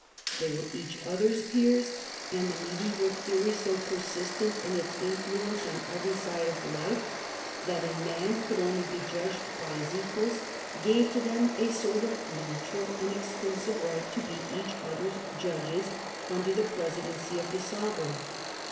They were each other's peers, and the medieval theory, so persistent in its influence on every side of life, that a man could only be judged by his equals, gave to them a sort of natural and exclusive right to be each other's judges under the presidency of the sovereign.